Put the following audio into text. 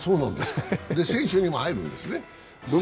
選手にも入るんですね。